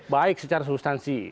baik secara sustansi